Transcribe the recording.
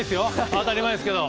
当たり前ですけど。